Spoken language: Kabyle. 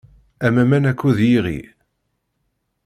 Am aman, akked yiɣi.